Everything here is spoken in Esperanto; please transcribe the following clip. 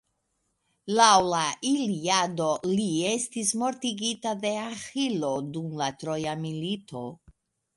Laŭ la Iliado, li estis mortigita de Aĥilo dum la troja milito.